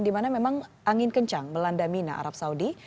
dimana memang angin kencang melanda mina arab saudi